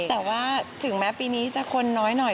แต่ว่าถึงแม้ปีนี้จะคนน้อยหน่อย